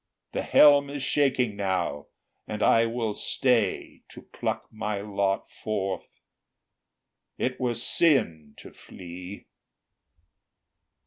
The helm is shaking now, and I will stay To pluck my lot forth; it were sin to flee!"